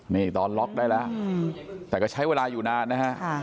นี่ตอนล็อกได้แล้วแต่ก็ใช้เวลาอยู่นานนะฮะ